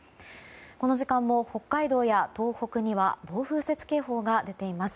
この時間も北海道や東北には暴風雪警報が出ています。